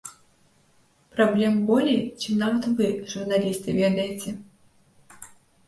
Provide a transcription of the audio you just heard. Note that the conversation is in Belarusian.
Праблем болей, чым нават вы, журналісты, ведаеце.